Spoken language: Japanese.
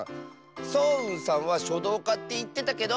そううんさんはしょどうかっていってたけど。